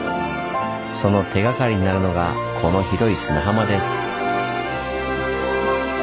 その手がかりになるのがこの広い砂浜です。